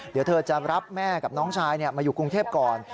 เดี๋ยวเธอจะรับแม่กับน้องชายมาอยู่กรุงเทพก่อน